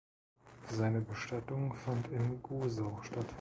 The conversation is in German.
Seine Bestattung fand in Gosau statt.